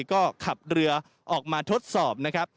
ก็ขับเรือออกมาทดสอบ